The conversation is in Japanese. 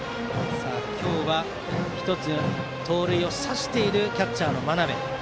今日は１つ盗塁を刺したキャッチャーの真鍋。